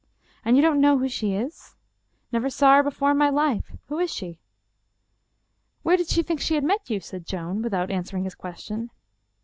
" And you don't know who she is ?"" Never saw her before in my life. Who is she ?" 289 English Mystery Stories " Where did she think she had met you ?" said Joan, without answering his question.